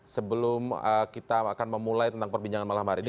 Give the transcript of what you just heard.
sebelum kita akan memulai tentang perbincangan malam hari ini